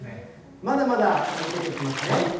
まだまだ続けていきますね。